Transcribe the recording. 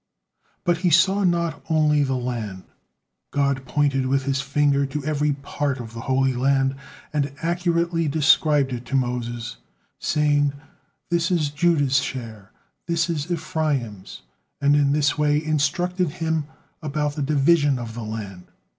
But he saw not only the land. God pointed with His finger to every part of the Holy Land, and accurately described it to Moses, saying, "This is Judah's share, this Ephraim's," and in this way instructed him about the division of the land.